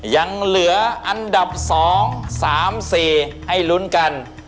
ยังเหลืออันดับ๒๓๔ให้ลุ้นกัน